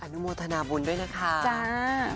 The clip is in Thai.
นุโมทนาบุญด้วยนะคะจ้า